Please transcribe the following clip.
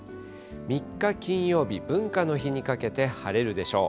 ３日金曜日、文化の日にかけて晴れるでしょう。